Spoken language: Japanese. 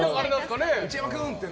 内山君って。